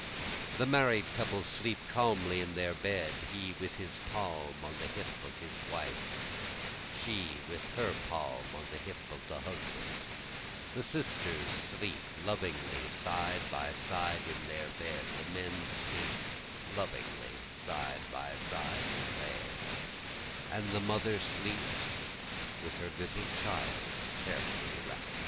The married couple sleep calmly in their bed, he with his palm on the hip of the wife, and she with her palm on the hip of the husband, The sisters sleep lovingly side by side in their bed, The men sleep lovingly side by side in theirs, And the mother sleeps with her little child carefully wrapt.